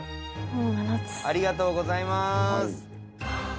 ありがとうございます。